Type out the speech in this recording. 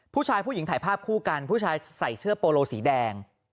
ผู้หญิงถ่ายภาพคู่กันผู้ชายใส่เสื้อโปโลสีแดง